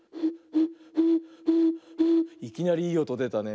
いきなりいいおとでたね。